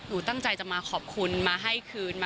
ตั้งใจจะมาขอบคุณมาให้คืนมา